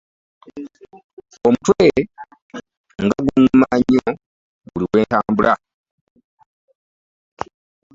Omutwe nga gunuma nnyo buli wentambula.